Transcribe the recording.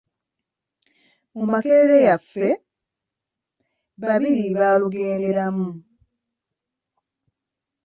"Mu Makerere yaffe, babiri baalugenderamu."